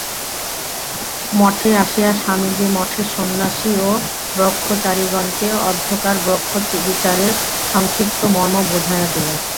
মঠে আসিয়া স্বামীজী মঠের সন্ন্যাসী ও ব্রহ্মচারিগণকে অদ্যকার ব্রহ্মবিচারের সংক্ষিপ্ত মর্ম বুঝাইয়া দিলেন।